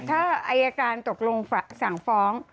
ถ้าอายการตกลงสั่งฟ้อง